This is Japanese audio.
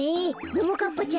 ももかっぱちゃん